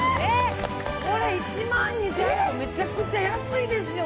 これ１万２８００めちゃくちゃ安いですよ。